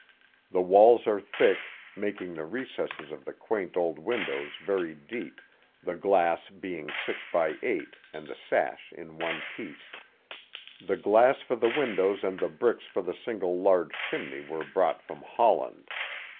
The walls are thick, making the recesses of the quaint old windows very deep, the glass being six by eight and the sash in one piece. The glass for the windows and the bricks for the single large chimney were brought from Holland.